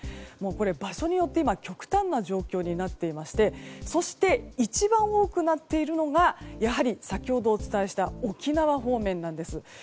場所によって極端な状況になっていましてそして、一番多くなっているのが先ほどお伝えした沖縄方面なんです。